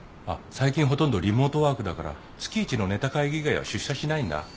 あっ最近ほとんどリモートワークだから月一のネタ会議以外は出社しないんだ。